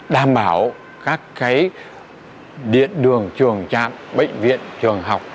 đảm bảo các điện đường trường trạm bệnh viện trường học